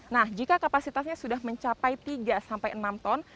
nah jika kapasitasnya sudah mencapai tiga sampai enam ton